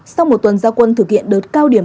sau một tuần giao quân thực hiện đợt cao điểm